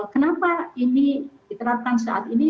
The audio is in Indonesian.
kenapa ini diterapkan saat ini